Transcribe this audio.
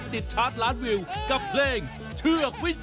ชาร์จล้านวิวกับเพลงเชือกวิสิ